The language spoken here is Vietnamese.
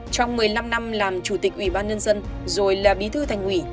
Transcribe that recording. trong một mươi năm năm làm chủ tịch ủy ban nhân dân